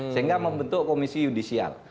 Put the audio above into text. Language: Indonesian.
sehingga membentuk komisi yudisial